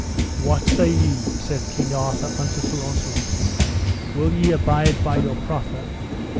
What say ye, said King Arthur unto Sir Launcelot, will ye abide by your proffer?